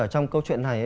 trong câu chuyện này